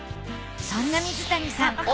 そんな水谷さん